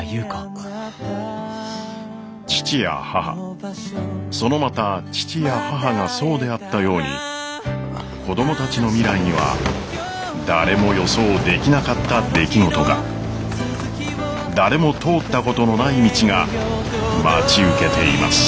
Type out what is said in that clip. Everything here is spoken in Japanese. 父や母そのまた父や母がそうであったように子供たちの未来には誰も予想できなかった出来事が誰も通ったことのない道が待ち受けています。